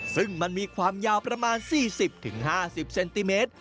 ซึ่งมันมีความยาวประมาณ๔๐๕๐เซนติเมตร